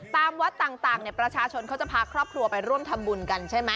ตามวัดต่างประชาชนเขาจะพาครอบครัวไปร่วมทำบุญกันใช่ไหม